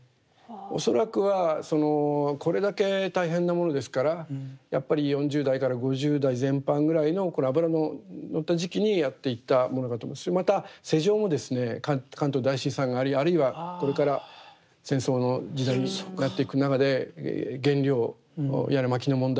恐らくはこれだけ大変なものですからやっぱり４０代から５０代前半ぐらいの頃脂の乗った時期にやっていったものだと思いますしまた世情もですね関東大震災がありあるいはこれから戦争の時代になっていく中で原料やら薪の問題